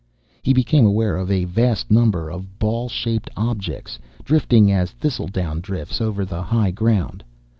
He became aware of a vast number of ball shaped objects drifting as thistledown drifts over the high ground.